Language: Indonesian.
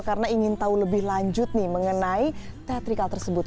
karena ingin tahu lebih lanjut nih mengenai teaterikal tersebut